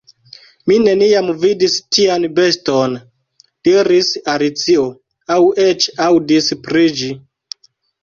"Mi neniam vidis tian beston," diris Alicio, "aŭ eĉ aŭdis pri ĝi."